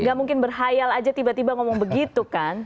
gak mungkin berhayal aja tiba tiba ngomong begitu kan